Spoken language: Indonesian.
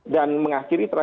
dan mengakhiri terakhirnya